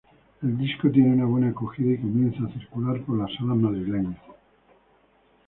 El disco tiene una buena acogida y comienzan a circular por las salas madrileñas.